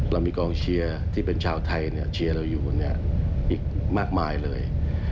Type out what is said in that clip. เรามีกองเชียร์ที่เป็นชาวไทยเชียร์เราอยู่อีกมากมายเลย